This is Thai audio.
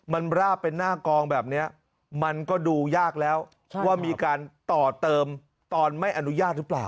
มันราบเป็นหน้ากองแบบนี้มันก็ดูยากแล้วว่ามีการต่อเติมตอนไม่อนุญาตหรือเปล่า